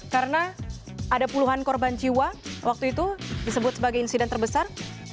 karena ada puluhan korban jiwa waktu itu disebut sebagai insiden terbesar